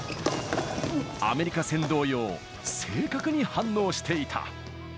アメリカ戦同様、正確に反応していた。